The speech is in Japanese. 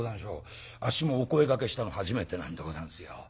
あっしもお声がけしたの初めてなんでござんすよ。